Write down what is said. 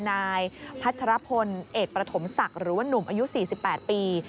นายพัทรพลเอกประถมศักดิ์หรือว่านุ่มอายุ๔๘ปี